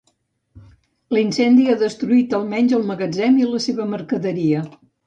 L'incendi ha destruït almenys el magatzem i la seva mercaderia.